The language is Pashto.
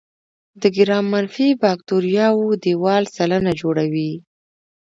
د ګرام منفي باکتریاوو دیوال سلنه جوړوي.